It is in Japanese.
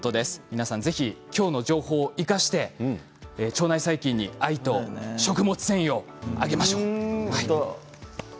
皆さん今日の情報を生かして腸内細菌に愛と食物繊維をあげましょう。